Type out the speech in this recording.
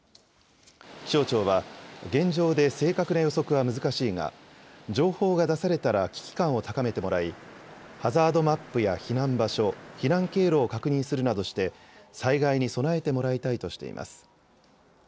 気象庁は、現状で正確な予測は難しいが、情報が出されたら、危機感を高めてもらい、ハザードマップや避難場所、避難経路を確認するなどして、災害に備えてもらいたいとしています。